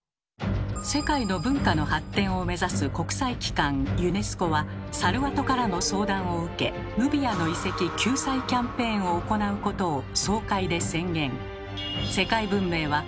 世界の文化の発展を目指す国際機関ユネスコはサルワトからの相談を受け「ヌビアの遺跡救済キャンペーン」を行うことを総会で宣言。